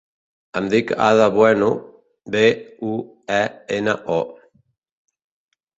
Em dic Ada Bueno: be, u, e, ena, o.